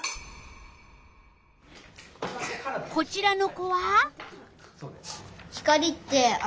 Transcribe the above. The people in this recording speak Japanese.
こちらの子は？